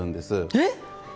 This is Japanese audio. えっ！